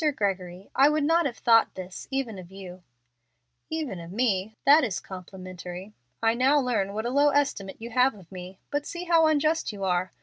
"Mr. Gregory, I would not have thought this even of you." "Even of me! That is complimentary. I now learn what a low estimate you have of me. But see how unjust you are.